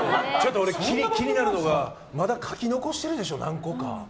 俺、気になるのがまだ書き残してるでしょ、何個か。